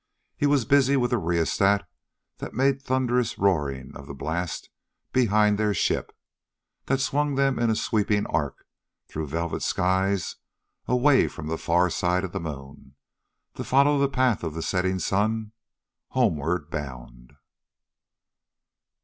He was busy with a rheostat that made thunderous roaring of the blast behind their ship: that swung them in a sweeping arc through velvet skies, away from the far side of the moon, to follow the path of the setting sun homeward bound.